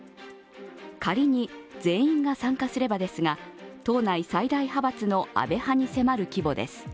仮に全員が参加すればですが、党内最大派閥の安倍派に迫る規模です。